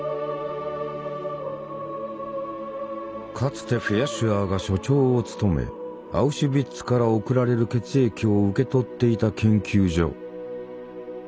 かつてフェアシュアーが所長を務めアウシュビッツから送られる血液を受け取っていた研究所。